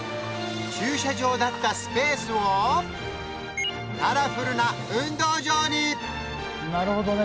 駐車場だったスペースをカラフルな運動場になるほどね